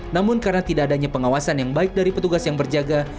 namun karena tidak adanya pengawasan yang baik dari petugas yang berjaga